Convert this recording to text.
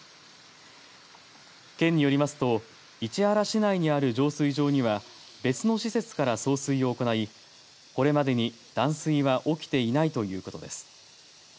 県によりますと市原市内にある浄水場には別の施設から送水を行いこれまでに断水は起きていないということです。